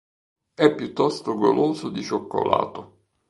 È piuttosto goloso di cioccolato.